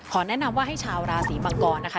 แนะนำว่าให้ชาวราศีมังกรนะคะ